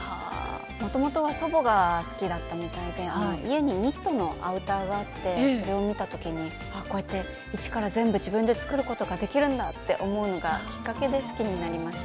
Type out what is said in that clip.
もともとは祖母が好きだったみたいで家にニットのアウターがあってそれを見た時にあこうやって一から全部自分で作ることができるんだって思うのがきっかけで好きになりました。